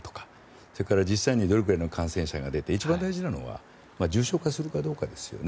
それから実際にどれくらいの感染者が出て一番大事なのは重症化するかどうかですよね。